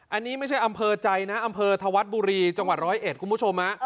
อันนี้ไม่ใช่อำเภอใจนะอำเภอธวัฒน์บุรีจังหวัดร้อยเอ็ดคุณผู้ชม